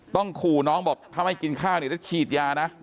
ขู่น้องบอกถ้าไม่กินข้าวเนี่ยจะฉีดยานะ